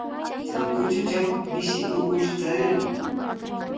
Chay kutatraw mishi ukush charirqun.